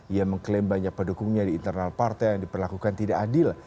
ia mengklaim banyak pendukungnya di internal partai yang diperlakukan tidak adil